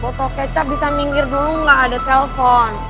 boto kecap bisa minggir dulu gak ada telpon